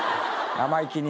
生意気に。